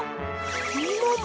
みもも